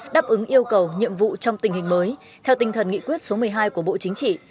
đáp ứng yêu cầu nhiệm vụ trong tình hình mới theo tinh thần nghị quyết số một mươi hai của bộ chính trị